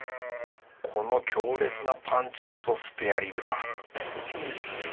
この強烈なパンチこそスペアリブだ